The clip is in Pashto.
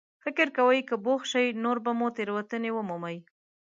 فکر کوئ که بوخت شئ، نور به مو تېروتنې ومومي.